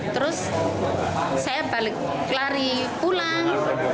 terus saya balik lari pulang